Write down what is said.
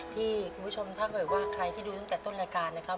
ที่คุณผู้ชมถ้าเกิดว่าใครที่ดูตั้งแต่ต้นรายการนะครับ